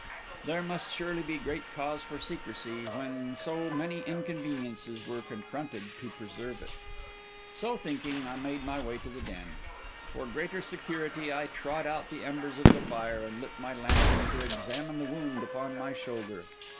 There must surely be great cause for secrecy, when so many inconveniences were confronted to preserve it. So thinking, I made my way to the den. For greater security, I trod out the embers of the fire, and lit my lantern to examine the wound upon my shoulder.